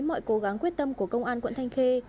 mọi cố gắng quyết tâm của công an quận thanh khê